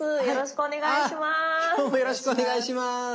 よろしくお願いします。